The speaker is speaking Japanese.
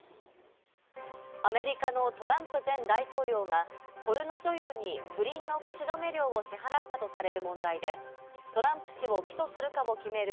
アメリカのトランプ前大統領がポルノ女優に不倫の口止め料を支払ったとされる問題で、トランプ氏を起訴するかを決める